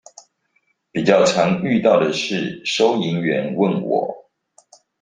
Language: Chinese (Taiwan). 比較常遇到的是收銀員問我